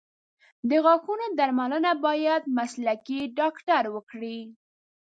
د غاښونو درملنه باید مسلکي ډاکټر وکړي.